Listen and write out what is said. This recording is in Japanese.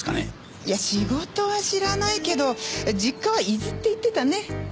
いや仕事は知らないけど実家は伊豆って言ってたね。